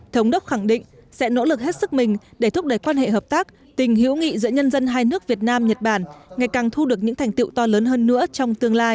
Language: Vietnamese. thống đốc khẳng định sẽ nỗ lực hết sức mình để thúc đẩy quan hệ hợp tác tình hiểu nghị giữa nhân dân hai nước việt nam nhật bản ngày càng thu được những thành tiệu to lớn hơn nữa trong tương lai